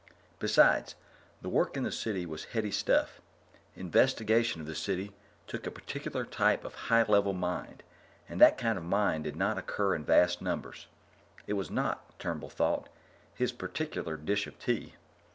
Besides, the work in the City was heady stuff. Investigation of the City took a particular type of high level mind, and that kind of mind did not occur in vast numbers. It was not, Turnbull thought, his particular dish of tea.